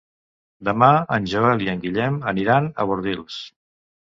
Demà en Joel i en Guillem aniran a Bordils.